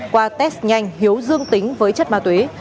qua test nhanh hiếu dương tính với chất ma túy